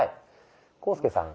浩介さん